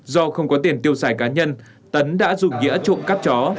do không có tiền tiêu xài cá nhân tấn đã dùng nghĩa trộm cắp chó